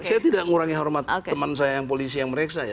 saya tidak mengurangi hormat teman saya yang polisi yang meriksa ya